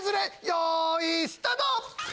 よいスタート！